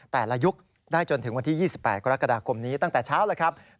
ยุคได้จนถึงวันที่๒๘กรกฎาคมนี้ตั้งแต่เช้าแล้วครับ